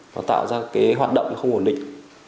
và tạo ra cái hoạt động nó không ổn định